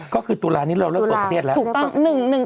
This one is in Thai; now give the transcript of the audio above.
ก็คือตุลานี้เราเลิกตรงประเทศแล้ว